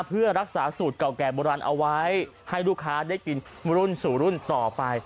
เพื่อรักษาสูตรเก่าแก่โบราณเอาไว้ให้ลูกค้าได้กินรุ่นสู่รุ่นต่อไป